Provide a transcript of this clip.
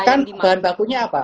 makan bahan bakunya apa